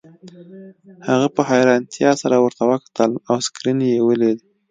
هغه په حیرانتیا سره ورته وکتل او سکرین یې ولید